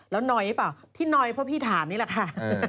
แล้วนอยหรือเปล่าที่นอยเพราะพี่ถามนี่แหละค่ะ